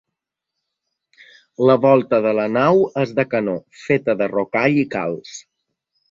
La volta de la nau és de canó, feta de rocall i calç.